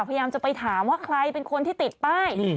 พยายามจะไปถามว่าใครเป็นคนที่ติดป้าย